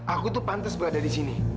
aku tuh pantas berada di sini